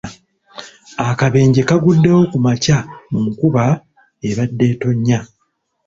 Akabenje kaguddewo ku makya mu nkuba ebadde etonnya .